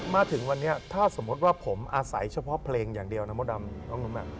มาถึงวันนี้ถ้าสมมติว่าผมอาศัยเฉพาะเพลงอย่างเดียวนะมดน